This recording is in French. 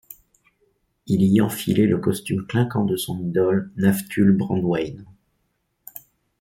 Il y enfilait le costume clinquant de son idole Naftule Brandwein.